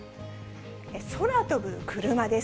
空飛ぶクルマです。